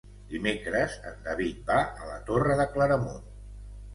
Dimecres en David va a la Torre de Claramunt.